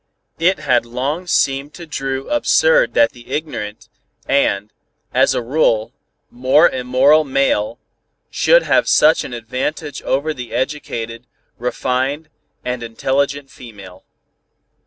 It had long seemed to Dru absurd that the ignorant, and, as a rule, more immoral male, should have such an advantage over the educated, refined and intelligent female.